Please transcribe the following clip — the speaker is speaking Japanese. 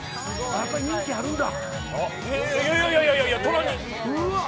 やっぱ人気あるんだ。